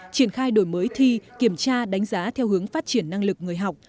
triển khai đổi mới thi kiểm tra đánh giá theo hướng phát triển năng lực người học